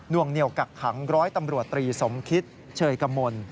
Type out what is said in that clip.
วงเหนียวกักขังร้อยตำรวจตรีสมคิตเชยกมล